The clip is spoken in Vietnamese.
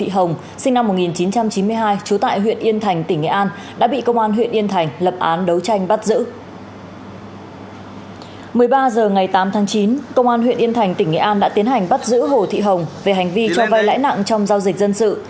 một mươi ba h ngày tám tháng chín công an huyện yên thành tỉnh nghệ an đã tiến hành bắt giữ hồ thị hồng về hành vi cho vai lãi nặng trong giao dịch dân sự